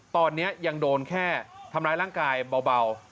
ตอนนี้ยังโดนแค่ทำร้ายร่างกายเบา